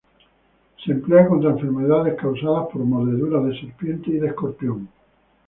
Se emplea contra enfermedades causadas por mordedura de serpiente y de escorpión.